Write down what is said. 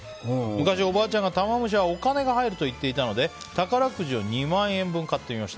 昔おばあちゃんはタマムシはお金が入ると言っていたので宝くじを２万円分買ってみました。